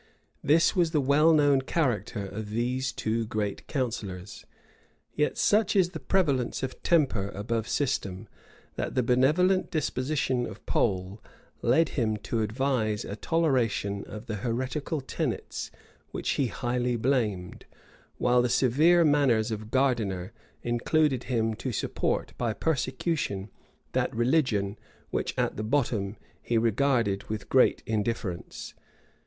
This was the well known character of these two great counsellors; yet such is the prevalence of temper above system, that the benevolent disposition of Pole led him to advise a toleration of the heretical tenets which he highly blamed; while the severe manners of Gardiner inclined him to support by persecution that religion which, at the bottom, he regarded with great indifference.